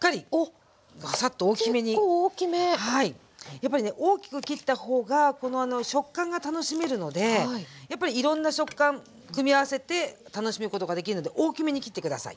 やっぱりね大きく切った方がこの食感が楽しめるのでやっぱりいろんな食感組み合わせて楽しむことができるので大きめに切って下さい。